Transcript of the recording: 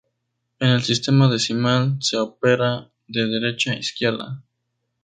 En el sistema decimal se opera de derecha a izquierda.